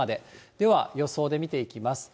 では予想で見ていきます。